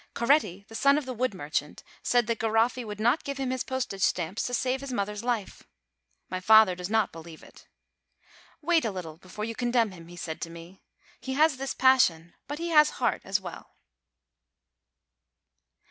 Coretti, the son of the wood merchant, says that Garoffi would not give him his postage stamps to save his mother's life. My father does not believe it. "Wait a little before you condemn him," he said to me; "he has this passion, but he has heart as well."